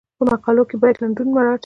په مقالو کې باید لنډون مراعات شي.